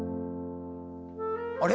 あれ？